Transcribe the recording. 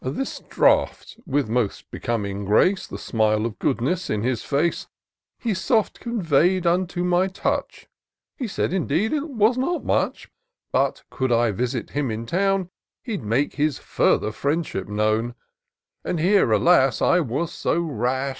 This draft, with most becoming grace. The smile of goodness in his face, He soft convey'd unto my touch, — He said, indeed, it was not much ; S28 TOUR OF DOCTOR SYNTAX But, could I visit him in town, He*d make his further friendship known: And here, alas ! I was so rash.